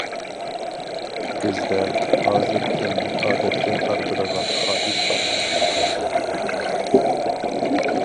بىزدە، ھازىر تىلنى ئادەتكە تارتىدىغان خاھىش بار.